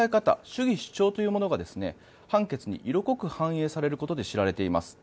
主義・主張というものが判決に色濃く反映されることで知られています。